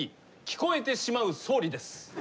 聴こえてしまう総理です。